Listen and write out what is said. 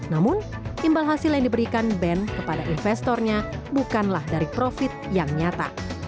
namun imbal hasil yang diberikan band kepada investornya bukanlah dari profit yang nyata